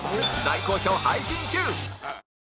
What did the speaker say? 大好評配信中